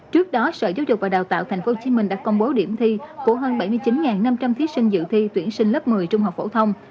trước đó sở giáo dục và đào tạo tp hcm đã công bố điểm thi của hơn bảy mươi chín năm trăm linh thí sinh dự thi tuyển sinh lớp một mươi trung học phổ thông